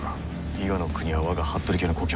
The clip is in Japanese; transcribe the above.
伊賀国は我が服部家の故郷。